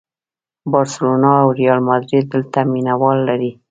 بارسلونا او ریال ماډریډ دلته مینه وال لري.